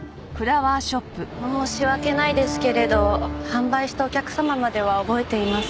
申し訳ないですけれど販売したお客様までは覚えていません。